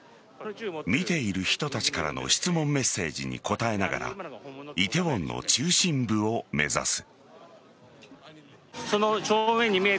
見ている人たちからの質問メッセージに答えながら梨泰院の中心部を目指す。